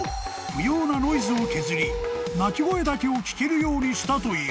不要なノイズを削り鳴き声だけを聞けるようにしたという］